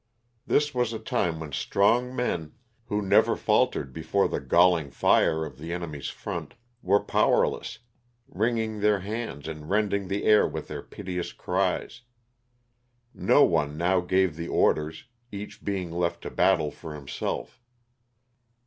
This was a time when strong men, who never faltered before the galling fire of the enemy's front, were powerless, wringing their hands and rending the air with their piteous cries. No one now gave the orders, each being left to battle for himself.